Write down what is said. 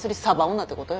女ってことよ。